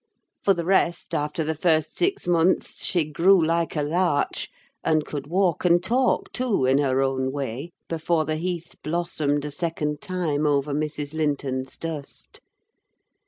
For the rest, after the first six months, she grew like a larch, and could walk and talk too, in her own way, before the heath blossomed a second time over Mrs. Linton's dust.